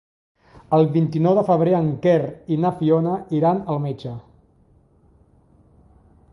El vint-i-nou de febrer en Quer i na Fiona iran al metge.